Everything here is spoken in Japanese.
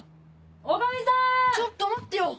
ちょっと待ってよ。